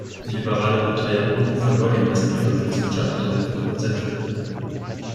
Die liberale Partei Jabloko verlor die meisten ihrer Sitze und scheiterte an der Fünf-Prozent-Hürde.